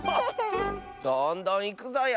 どんどんいくぞよ。